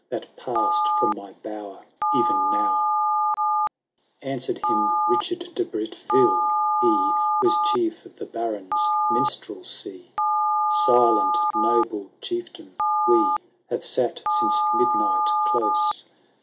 That passed from my bower e*en now ! It V. Answered him Richard de Bretville ; he Was chief of the Baron's minstrelsy, —^ Silent, noble chieftain, we Hare sat since midnight close.